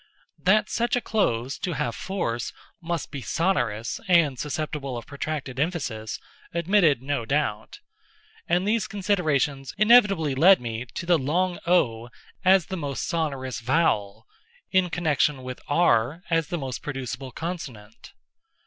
That such a close, to have force, must be sonorous and susceptible of protracted emphasis, admitted no doubt: and these considerations inevitably led me to the long o as the most sonorous vowel, in connection with r as the most producible consonant.